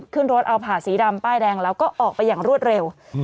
ขึ้นรถเอาผ่าสีดำป้ายแดงแล้วก็ออกไปอย่างรวดเร็ว